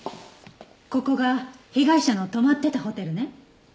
ここが被害者の泊まってたホテルね。